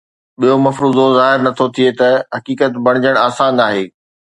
ٻيو مفروضو ظاهر نٿو ٿئي ته حقيقت بنجڻ آسان آهي